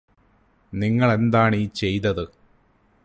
നിങ്ങളെന്താണീ ചെയ്തത്